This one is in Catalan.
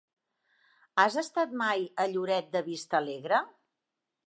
Has estat mai a Lloret de Vistalegre?